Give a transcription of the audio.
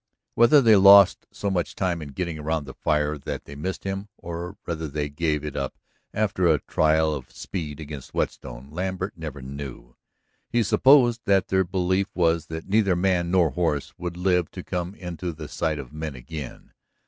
Whether they lost so much time in getting around the fire that they missed him, or whether they gave it up after a trial of speed against Whetstone, Lambert never knew. He supposed that their belief was that neither man nor horse would live to come into the sight of men again.